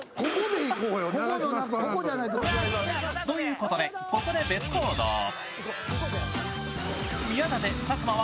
ということでここで別行動。